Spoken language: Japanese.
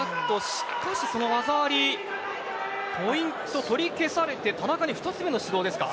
しかし、その技ありポイント取り消されて田中に２つ目の指導です。